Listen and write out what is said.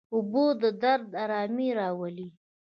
اوبه د درد آرامي راولي.